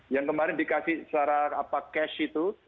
yang kemarin dikasih secara cash itu